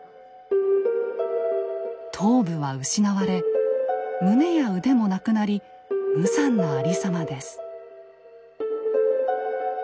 頭部は失われ胸や腕もなくなり無残なありさまです。